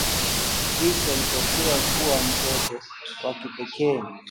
Chris alitokea kuwa mtoto wa kipekee